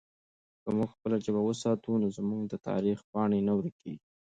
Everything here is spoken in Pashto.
که موږ خپله ژبه وساتو نو زموږ د تاریخ پاڼې نه ورکېږي.